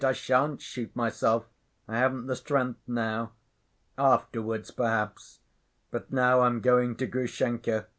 I shan't shoot myself. I haven't the strength now. Afterwards, perhaps. But now I'm going to Grushenka.